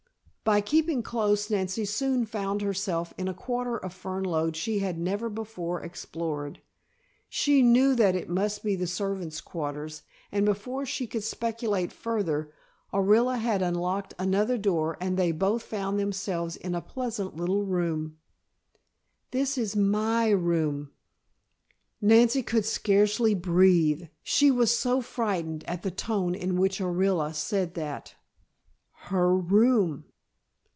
By keeping close Nancy soon found herself in a quarter of Fernlode she had never before explored. She knew that it must be the servants' quarters, and before she could speculate further, Orilla had unlocked another door and they both found themselves in a pleasant little room! "This is my room!" Nancy could scarcely breathe, she was so frightened at the tone in which Orilla said that. Her room!